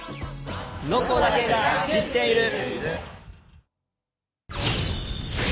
「ロコだけが知っている」。